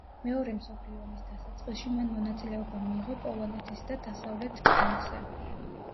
მეორე მსოფლიო ომის დასაწყისში მან მონაწილეობა მიიღო პოლონეთის და დასავლეთ ფრონტზე.